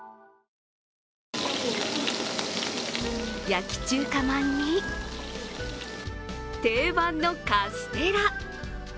焼き中華まんに定番のカステラ。